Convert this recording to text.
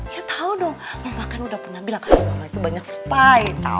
ya tau dong mama kan udah pernah bilang mama itu banyak spy tau